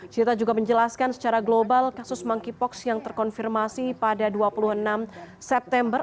cita juga menjelaskan secara global kasus monkeypox yang terkonfirmasi pada dua puluh enam september